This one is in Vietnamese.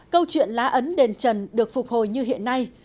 câu chuyện lá ấn đền trần được phục hồi như hiện nay